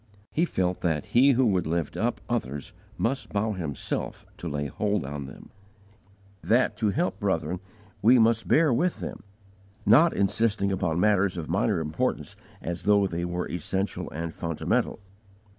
He felt that he who would lift up others must bow himself to lay hold on them; that to help brethren we must bear with them, not insisting upon matters of minor importance as though they were essential and fundamental.